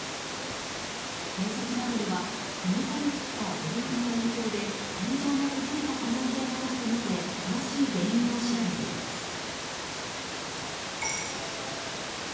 警察などでは６日に降った大雪の影響で天井が崩れた可能性があるとみて詳しい原因を調べています。